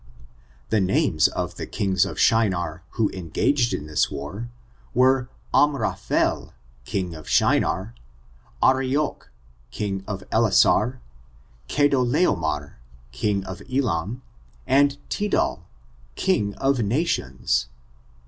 The names of the kings of Shinar^ who engaged m this war, were Amraphel, king of Shinar; Ariochj king of Ellasar; Chedorlaomar^ king of Elam; and Tidcdj king of nations.